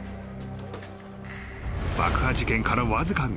［爆破事件からわずか３日］